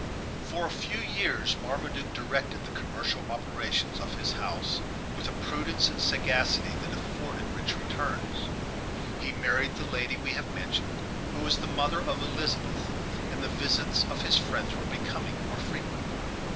For a few years Marmaduke directed the commercial operations of his house with a prudence and sagacity that afforded rich returns. He married the lady we have mentioned, who was the mother of Elizabeth, and the visits of his friend were becoming more frequent.